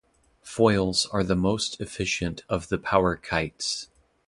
Foils are the most efficient of the power kites.